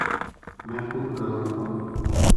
میں خود کروں گا